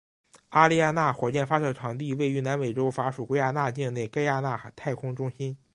阿丽亚娜火箭发射场地位于南美洲法属圭亚那境内盖亚那太空中心。